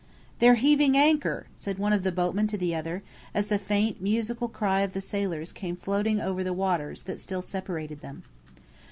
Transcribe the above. "They're heaving anchor!" said one of the boatmen to the others, as the faint musical cry of the sailors came floating over the waters that still separated them.